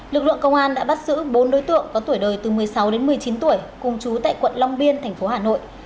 lực lượng công an đã bắt giữ bốn đối tượng có tuổi đời từ một mươi sáu đến một mươi chín tuổi cùng chú tại quận long biên thành phố hà nội